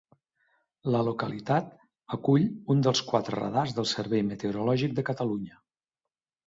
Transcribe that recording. La localitat acull un dels quatre radars del Servei Meteorològic de Catalunya.